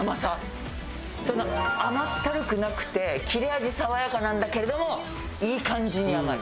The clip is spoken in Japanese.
甘ったるくなくて切れ味爽やかなんだけれどもいい感じに甘い。